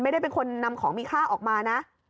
ไม่ได้เป็นคนนำของมีค่าออกมานะ